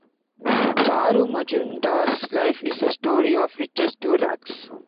Charu Majumdar's life is a story of "riches to rags".